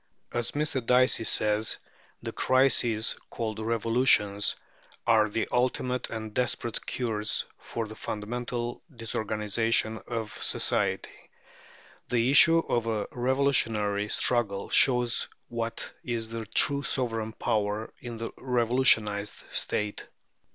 As Mr. Dicey says, "The crises called revolutions are the ultimate and desperate cures for the fundamental disorganization of society. The issue of a revolutionary struggle shows what is the true sovereign power in the revolutionized state.